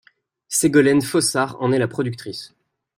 Ségolène Fossard en est la productrice.